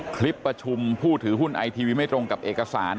คลิปประชุมผู้ถือหุ้นไอทีวีไม่ตรงกับเอกสาร